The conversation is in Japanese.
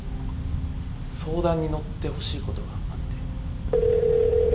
相談に乗ってほしいことがあって。